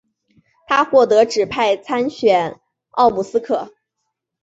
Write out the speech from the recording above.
他获得指派参选奥姆斯克。